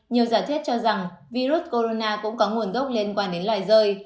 nhiều giả thiết cho rằng virus corona cũng có nguồn gốc liên quan đến loài rơi